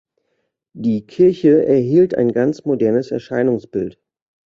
Die Kirche erhielt ein ganz modernes Erscheinungsbild.